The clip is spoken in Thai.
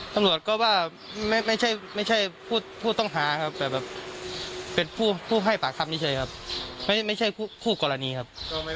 ตำรวจก็ว่าไม่ใช่ผู้ต้องหาครับเป็นผู้ให้ปากคับนี่เฉยครับ